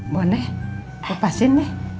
boleh kupasin nih